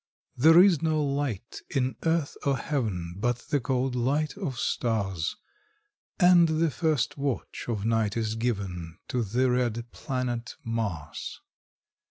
There is no light in earth or heaven, But the cold light of stars; And the first watch of night is given To the red planet Mars.